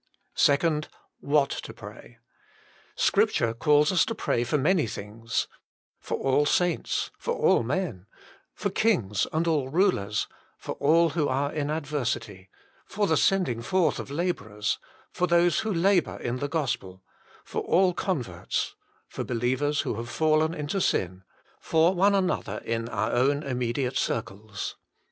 2. What to Pray. Scripture calls us to pray for many things : for all saints ; for all men ; for kings and all rulers ; for all who are in adversity ; for the sending forth of labourers ; for those who labour in the gospel ; for all converts ; for believers who have fallen into sin ; for one another in our own immediate circles.